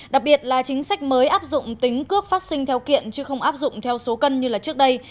đặc biệt là chính sách mới áp dụng tính cước phát sinh theo kiện chứ không áp dụng theo số cân như trước đây